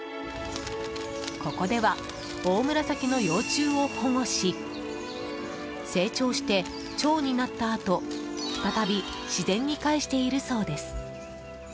ここではオオムラサキの幼虫を保護し成長して蝶になったあと再び自然に返しているそうです。